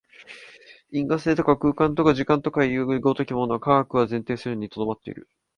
因果性とか空間とか時間とかという如きものは、科学は前提するに留まっている。